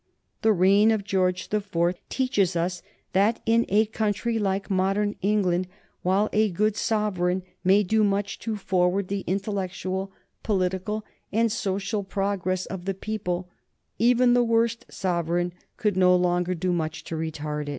The reign of George the Fourth teaches us that in a country like modern England, while a good sovereign may do much to forward the intellectual, political, and social progress of the people, even the worst sovereign could no longer do much to retard it.